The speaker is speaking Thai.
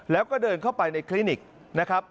แล้วก็เดินเข้าไปในคลินิกนะครับ